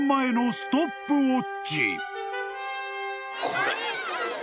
これ。